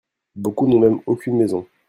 Beaucoup n'ont même aucune maison.